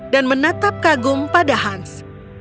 dan menatap kagum pada hans